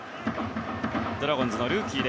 ドラゴンズのルーキー